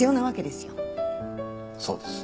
そうです。